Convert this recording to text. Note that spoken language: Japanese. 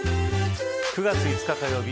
９月５日火曜日